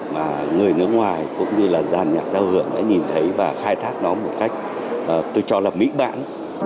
mà người nước ngoài cũng như là giàn nhạc giao hưởng đã nhìn thấy và khai thác nó một cách tôi cho là mỹ bản